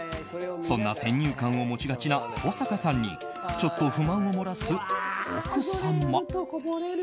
そんな先入観を持ちがちな登坂さんにちょっと不満を漏らす奥様。